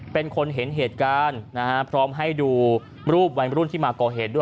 เป็นคนเห็นเหตุการณ์นะฮะพร้อมให้ดูรูปวัยรุ่นที่มาก่อเหตุด้วย